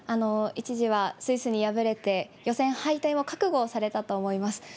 一時はスイスに敗れて、予選敗退も覚悟をされたと思います。